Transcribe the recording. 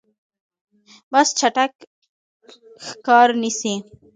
باز چټک ښکار نیسي.